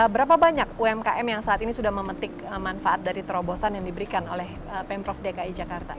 berapa banyak umkm yang saat ini sudah memetik manfaat dari terobosan yang diberikan oleh pemprov dki jakarta